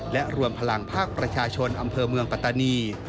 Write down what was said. และรวมพลังภาคประชาชนอำเภอเมืองปัตตานี